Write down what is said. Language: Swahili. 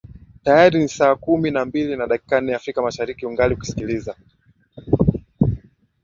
tayari ni saa kumi na mbili na dakika nne afrika mashariki ungali ukisikiliza